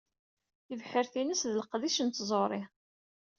Tibḥirt-ines d leqdic n tẓuṛi.